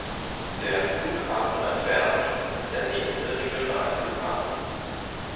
Der Flughafen Antwerpen ist der nächste Regionalflughafen.